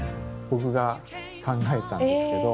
僕が考えたんですけど。